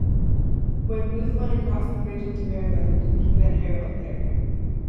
When Booth went across the bridge into Maryland, he met Herold there.